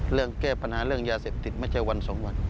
เรื่องแก้ปัญหาเรื่องยาเสพติดไม่ใช่วันสองวัน